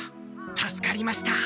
助かりました。